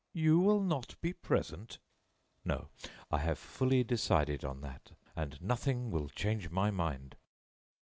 "You will not be present?" "No; I have fully decided on that, and nothing will change my mind."